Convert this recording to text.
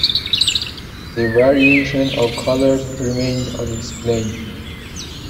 The variation of colors remains unexplained.